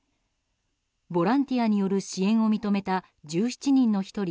ボランティアによる支援を認めた１７人の１人